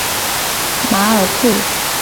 马尔库。